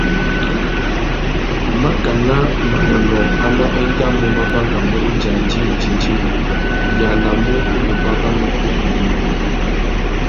Mákànà manônôh amá engamú mà bangamú indi a djï indjindjï, nʼyānamú u mù bàbà nutu angüêndô mô.